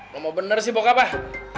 ngomong bener sih bokap ah